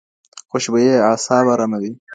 خوشبویي اعصاب اراموي.